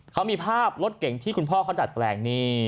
เขามีภาพรถเก่งที่คุณพ่อเขาดัดแปลงนี่